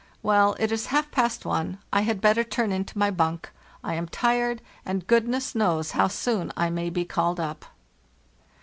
Well, it is half past one, I had better turn into my bunk; I am tired, and goodness knows how soon I may be calied up.